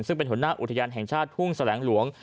ซึ่งเป็นหัวหน้าอุทยานแห่งชาติทุ่งแสลงหลวง